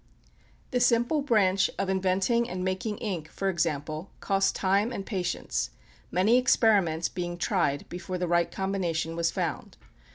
The simple branch of inventing and making ink, for example, cost time and patience; many experiments being tried before the right combination was found.